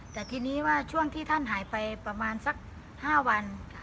แต่ทีนี้ว่าช่วงที่ท่านหายไปประมาณสัก๕วัน